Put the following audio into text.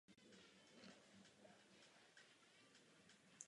Myšlenka počítače a jeho ovládání není původní.